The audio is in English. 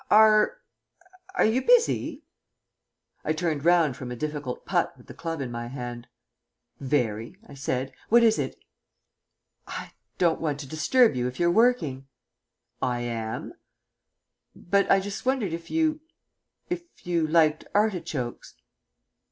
"Are are you busy?" I turned round from a difficult putt with the club in my hand. "Very," I said. "What is it?" "I don't want to disturb you if you're working " "I am." "But I just wondered if you if you liked artichokes."